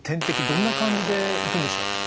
どんな感じでいくんでしょう？